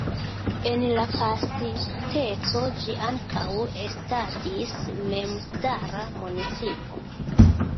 En la pasinteco ĝi ankaŭ estadis memstara municipo.